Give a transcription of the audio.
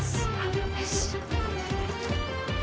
よし。